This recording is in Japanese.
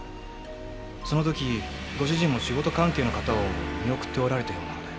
その時ご主人も仕事関係の方を見送っておられたようなので。